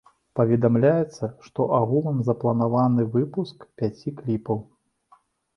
Паведамляецца, што агулам запланаваны выпуск пяці кліпаў.